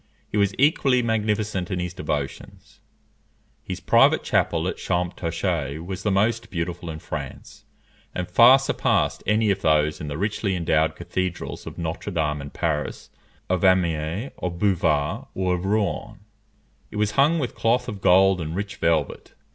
He was equally magnificent in his devotions. His private chapel at Champtocé was the most beautiful in France, and far surpassed any of those in the richly endowed cathedrals of Notre Dame in Paris, of Amiens, of Beauvais, or of Rouen. It was hung with cloth of gold and rich velvet.